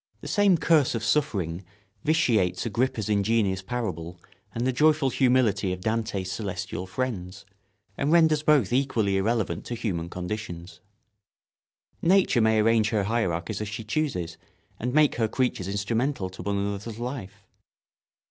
] The same curse of suffering vitiates Agrippa's ingenious parable and the joyful humility of Dante's celestial friends, and renders both equally irrelevant to human conditions. Nature may arrange her hierarchies as she chooses and make her creatures instrumental to one another's life.